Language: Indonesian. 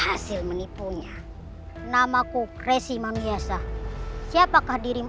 buat abang youtar plugins poon painful toko delapan jika